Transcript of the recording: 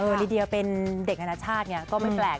เออลีเดียเป็นเด็กอาณาชาติเนี่ยก็ไม่แปลก